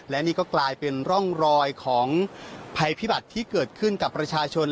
และนี่ก็กลายเป็นร่องรอยของภัยพิบัติที่เกิดขึ้นกับประชาชน